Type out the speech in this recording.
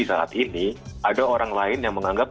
saat ini ada orang lain yang menganggap